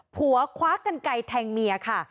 ผัวคว้ากันไกลแทงเมียค่ะ